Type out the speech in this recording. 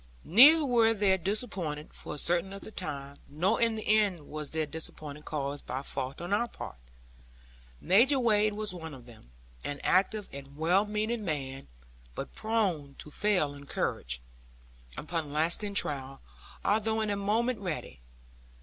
Neither were they disappointed, for a certain length of time; nor in the end was their disappointment caused by fault on our part. Major Wade was one of them; an active and well meaning man; but prone to fail in courage, upon lasting trial; although in a moment ready.